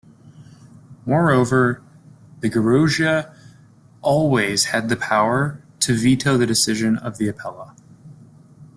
Moreover, the gerousia always had the power to veto the decision of the apella.